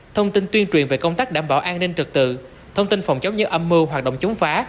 thông tin tuyên truyền về công tác đảm bảo an ninh trực tự thông tin phòng chống những âm mưu hoạt động chống phá